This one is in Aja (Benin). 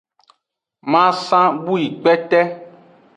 Masan bu yi kpete.